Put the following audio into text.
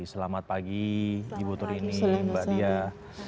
selamat pagi ibu turini mbak diah